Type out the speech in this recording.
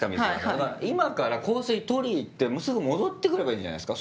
だから今から香水取り行ってすぐ戻って来ればいいんじゃないですか？